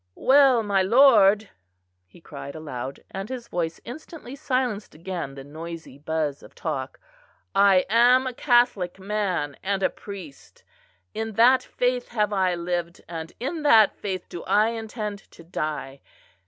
"Well, my lord," he cried aloud, and his voice instantly silenced again the noisy buzz of talk, "I am a Catholic man and a priest: in that faith have I lived, and in that faith do I intend to die.